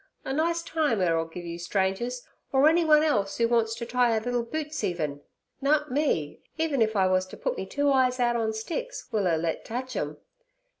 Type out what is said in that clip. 'A nice time 'er'll give you strangers, or anyone else oo wants to tie 'er liddle boots even! Nut me, even if I wuz to put me two eyes out on sticks, will 'er let touch 'em.